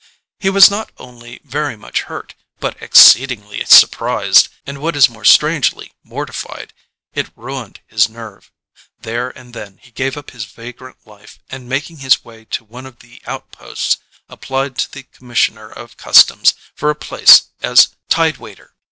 He was not only very much hurt, but exceedingly surprised, and what is more strangely mortified. It ruined his nerve. There and then he gave up his vagrant life and making his way to one of the out ports applied to the commis sioner of customs for a place as tide waiter.